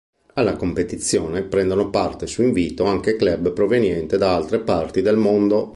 Alla competizione prendono parte su invito, anche club provenienti da altre parti del mondo.